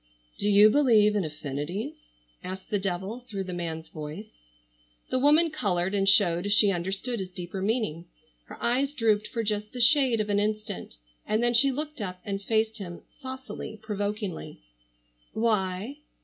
"Do you believe in affinities?" asked the devil, through the man's voice. The woman colored and showed she understood his deeper meaning. Her eyes drooped for just the shade of an instant, and then she looked up and faced him saucily, provokingly: "Why?"